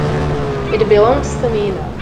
It belongs to me now.